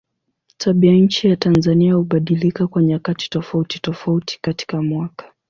Tabianchi ya Tanzania hubadilika kwa nyakati tofautitofauti katika mwaka.